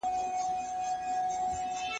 په لاس خط لیکل د ماشین پر وړاندي د انسان بریا ده.